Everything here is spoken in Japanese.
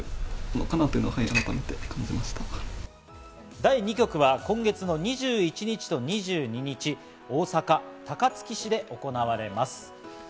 第二局は今月の２１日と２２日、大阪・高槻市で行われます。